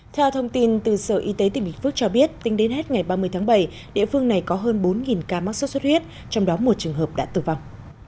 theo thông tin từ sở y tế tỉnh bình phước cho biết tính đến hết ngày ba mươi tháng bảy địa phương này có hơn bốn ca mắc sốt xuất huyết trong đó một trường hợp đã tử vong